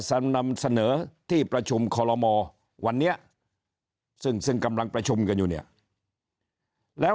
นำเสนอที่ประชุมคอลโลมอวันนี้ซึ่งซึ่งกำลังประชุมกันอยู่เนี่ยแล้ว